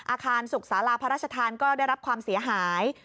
อาคารศุกร์ษาราพรรชฐานก็ได้รับความเสียหาย